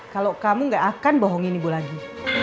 kalau kamu gak akan bohongin ibu lagi